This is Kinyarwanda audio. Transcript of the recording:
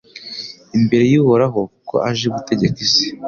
imbere y’Uhoraho kuko aje gutegeka isi